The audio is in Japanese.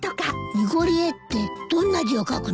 『にごりえ』ってどんな字を書くの？